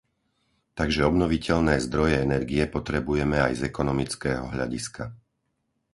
Takže obnoviteľné zdroje energie potrebujeme aj z ekonomického hľadiska.